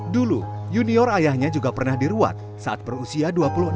dulu junior ayahnya juga pernah diruat saat berusia dua puluh enam tahun